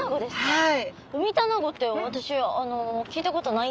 はい。